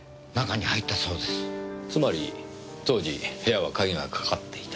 つまり当時部屋は鍵がかかっていた。